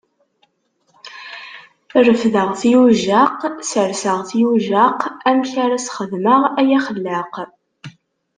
Refdeɣ-t yujjaq, serseɣ-t yujjaq, amek ara sxedmeɣ ay axellaq!